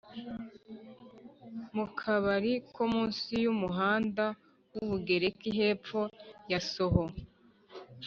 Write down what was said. mu kabari ko munsi yumuhanda wubugereki hepfo ya soho